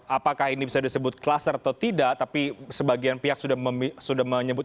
apakah ini bisa disebut kluster atau tidak tapi sebagian pihak sudah menyebut